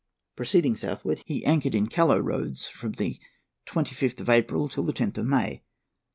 Proceeding southward, he anchored in Callao Roads from the 25th of April till the 10th of May.